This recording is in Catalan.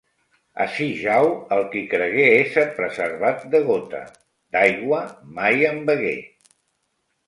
Ací jau el qui cregué ésser preservat de gota; d'aigua, mai en begué.